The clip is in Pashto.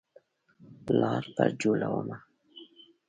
لار پر جوړومه